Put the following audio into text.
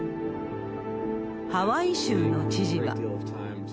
ハワイ州の知事は。